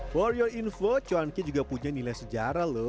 for your info cuanki juga punya nilai sejarah loh